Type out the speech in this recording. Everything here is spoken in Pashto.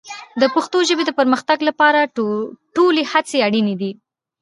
د پښتو ژبې د پرمختګ لپاره ټولې هڅې اړین دي.